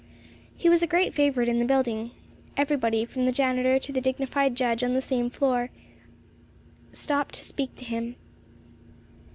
He was a great favorite in the building. Everybody, from the janitor to the dignified judge on the same floor, stopped to speak to him.